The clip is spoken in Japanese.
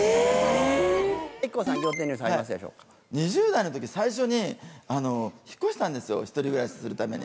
ＩＫＫＯさん、２０代のとき、最初に引っ越したんですよ、１人暮らしするために。